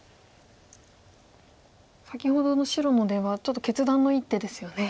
先ほどの白の出はちょっと決断の一手ですよね。